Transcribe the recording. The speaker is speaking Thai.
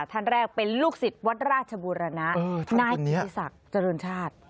ท่านแรกเป็นลูกศิษย์วัดราชบูรณะนายกิติศักดิ์เจริญชาติ